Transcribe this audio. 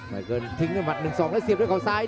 ไม่เกินทิ้งด้วยหมัด๑๒แล้วเสียบด้วยเขาซ้าย